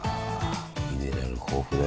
ミネラル豊富で。